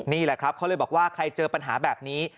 นี่แหละครับเขาเลยบอกว่าใครเจอปัญหาแบบนี้